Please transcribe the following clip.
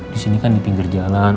disini kan di pinggir jalan